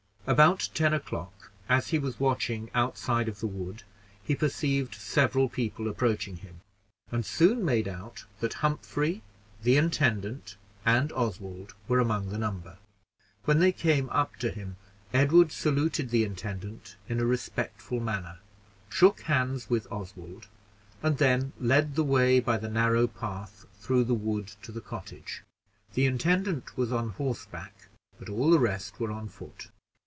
About ten o'clock, as he was watching outside of the wood, he perceived several people approaching him, and soon made out that Humphrey, the intendant, and Oswald were among the number. When they came up to him, Edward saluted the intendant in a respectful manner, and shook hands with Oswald, and then led the way by the narrow path which led through the wood to the cottage. The intendant was on horseback, but all the rest were on foot.